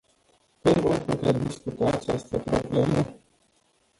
Când vom putea discuta această problemă?